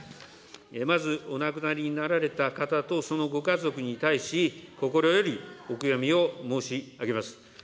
まずお亡くなりになられた方とそのご家族に対し、心よりお悔やみを申し上げます。